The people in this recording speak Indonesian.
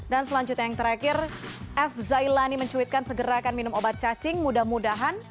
dan selanjutnya yang terakhir fzailani mencuitkan segera akan minum obat cacing mudah mudahan